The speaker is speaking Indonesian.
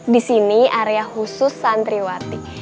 di sini area khusus santriwati